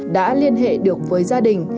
đã liên hệ được với gia đình